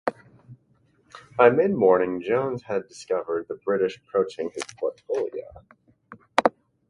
By mid-morning Jones had discovered the British approaching his flotilla.